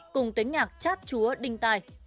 cùng tính nhạc chát chúa đinh tai